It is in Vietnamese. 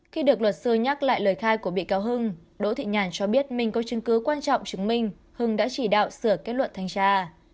khi được luật sư nhắc lại lời khai của bị cáo hưng đỗ thị nhàn cho biết mình có chứng cứ quan trọng chứng minh hưng đã chỉ đạo sửa kết luận thanh tra